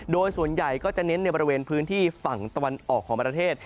โดยส่วนใหญ่ก็จะเน้นในบริเวณพื้นที่ฝั่งตะวันออกของประเทศ